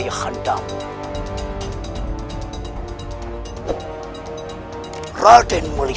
aku tidak mau kalah dengan mereka